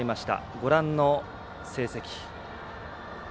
ご覧の成績。